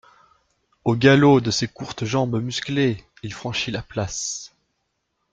Au galop de ses courtes jambes musclées, il franchit la place.